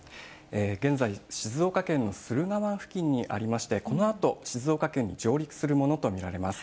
現在、静岡県の駿河湾付近にありまして、このあと静岡県に上陸するものと見られます。